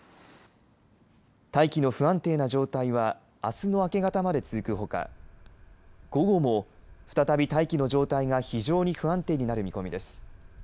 大気の不安定な状態はあすの明け方まで続くほか午後も再び大気の状態が非常に不安定になる見込みです。